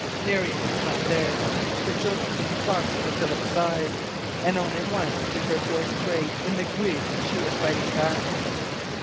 Miriam was not there, but Josephine clung to Philip's side, and only once did her voice break in the grief she was fighting back.